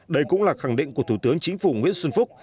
đây cũng là khẳng định của thủ tướng chính phủ nguyễn xuân phúc